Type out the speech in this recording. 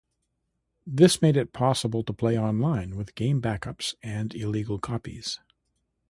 This made it possible to play online with game backups and illegal copies.